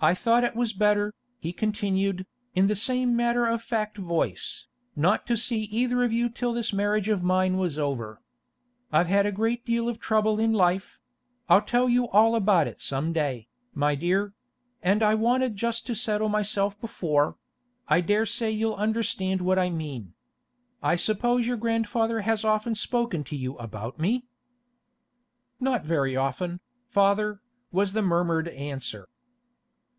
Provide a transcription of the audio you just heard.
'I thought it was better,' he continued, in the same matter of fact voice, 'not to see either of you till this marriage of mine was over. I've had a great deal of trouble in life—I'll tell you all about it some day, my dear—and I wanted just to settle myself before—I dare say you'll understand what I mean. I suppose your grandfather has often spoken to you about me?' 'Not very often, father,' was the murmured answer.